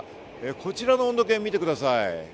こちらの温度計を見てください。